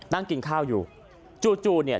นั่งกินข้าวอยู่จู่จู่เนี่ย